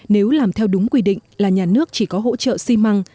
nếu làm theo đúng quy định là nhà nước chỉ có hỗ trợ xi măng